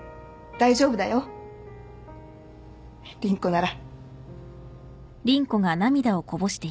大丈夫だよ凛子なら。